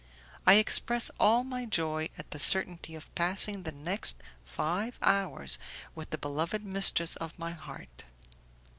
I express all my joy at the certainty of passing the next five hours with the beloved mistress of my heart.